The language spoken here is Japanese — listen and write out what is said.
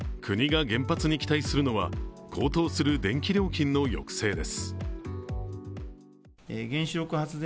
国が原発に期待するのは高騰する電気料金の抑制です。